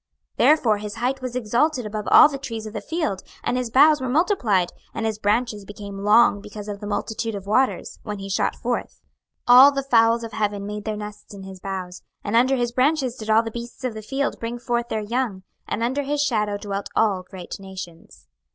26:031:005 Therefore his height was exalted above all the trees of the field, and his boughs were multiplied, and his branches became long because of the multitude of waters, when he shot forth. 26:031:006 All the fowls of heaven made their nests in his boughs, and under his branches did all the beasts of the field bring forth their young, and under his shadow dwelt all great nations.